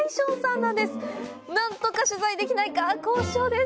なんとか取材できないか、交渉です。